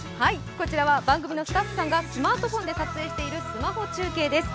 こちらは番組のスタッフさんがスマートフォンで撮影しているスマホ中継です。